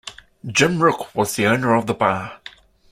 Jim Rook was the owner of the bar.